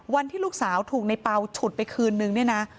วันที่ลูกสาวถูกในเปล่าฉุดไปคืนนึงเนี่ยนะ